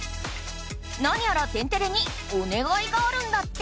何やら「天てれ」におねがいがあるんだって！